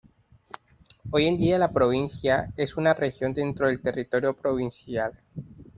Hoy en día la provincia es una región dentro del territorio provincial.